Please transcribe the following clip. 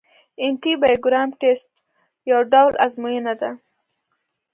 انټي بایوګرام ټسټ یو ډول ازموینه ده.